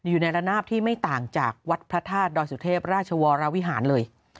อยู่ในระนาบที่ไม่ต่างจากวัดพระธาตุดอยสุเทพราชวรวิหารเลย